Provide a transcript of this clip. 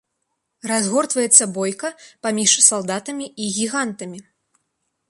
Разгортваецца бойка паміж салдатамі і гігантамі.